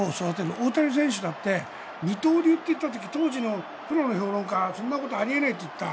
大谷選手だって二刀流っていったって当時のプロの評論家はそんなことあり得ないと言った。